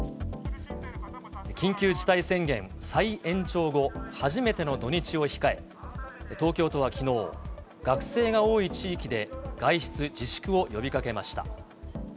緊急事態宣言再延長後初めての土日を控え、東京都はきのう、学生が多い地域で外出自粛を呼びかけました。